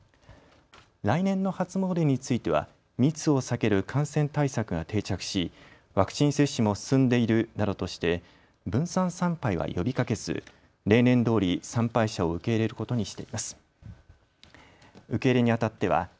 来年の初詣については密を避ける感染対策が定着しワクチン接種も進んでいるなどとして分散参拝は呼びかけず例年どおり参拝者を受け入れることにしています。